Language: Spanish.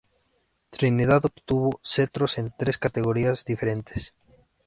Trinidad obtuvo cetros en tres categorías diferentes.